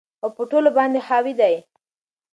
او په ټولو باندي حاوي دى